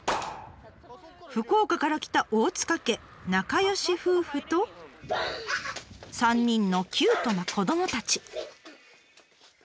福岡から来た大塚家仲良し夫婦と３人のキュートな子どもたち。